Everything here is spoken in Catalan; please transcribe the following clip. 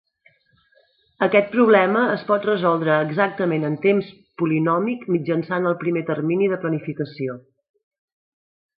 Aquest problema es pot resoldre exactament en temps polinòmic mitjançant el primer termini de planificació.